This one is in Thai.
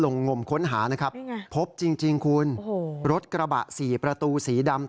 งมค้นหานะครับพบจริงจริงคุณโอ้โหรถกระบะสี่ประตูสีดำ